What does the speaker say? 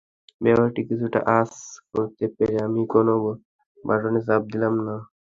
ব্যাপারটি কিছুটা আঁচ করতে পেরে আমি কোনো বাটনে চাপ দিলাম না।